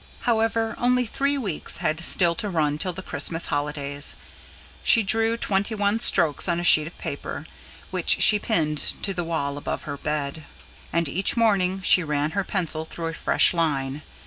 However, only three weeks had still to run till the Christmas holidays. She drew twenty one strokes on a sheet of paper, which she pinned to the wall above her bed; and each morning she ran her pencil through a fresh line.